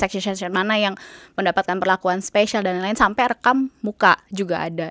section share mana yang mendapatkan perlakuan spesial dan lain lain sampai rekam muka juga ada